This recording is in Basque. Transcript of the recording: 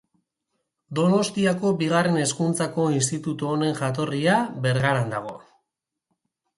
Donostiako bigarren hezkuntzako institutu honen jatorria Bergaran dago.